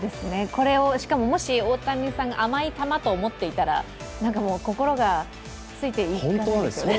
すごいですね、これをもし大谷さんが甘い球と思っていたら心がついていかないですよね。